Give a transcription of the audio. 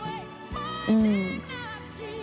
うん。